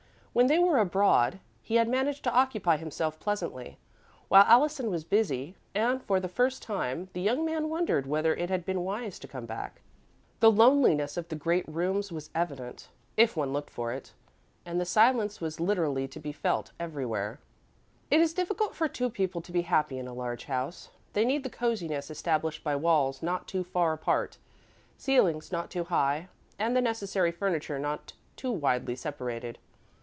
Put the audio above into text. When they were abroad, he had managed to occupy himself pleasantly while Allison was busy, and, for the first time, the young man wondered whether it had been wise to come back. The loneliness of the great rooms was evident, if one looked for it, and the silence was literally to be felt, everywhere. It is difficult for two people to be happy in a large house; they need the cosiness established by walls not too far apart, ceilings not too high, and the necessary furniture not too widely separated.